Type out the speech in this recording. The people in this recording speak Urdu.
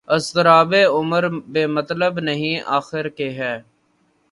اضطرابِ عمر بے مطلب نہیں آخر کہ ہے